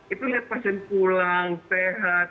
itu lihat pasien pulang sehat